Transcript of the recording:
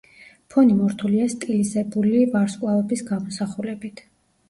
ფონი მორთულია სტილიზებული ვარსკვლავების გამოსახულებით.